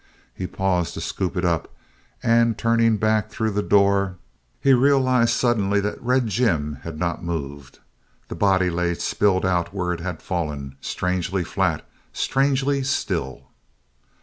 He paused to scoop it up and turning back through the door, he realized suddenly that Red Jim had not moved. The body lay spilled out where it had fallen, strangely flat, strangely still.